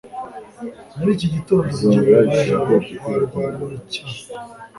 muri iki gitondo, rugeyo na jabo barwanye cy